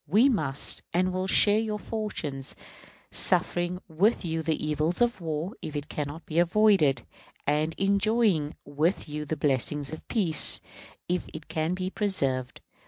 We must and will share your fortunes, suffering with you the evils of war if it can not be avoided; and enjoying with you the blessings of peace, if it can be preserved.